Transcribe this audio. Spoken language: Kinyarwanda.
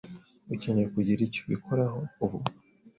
Ukeneye kugira icyo ubikoraho ubu?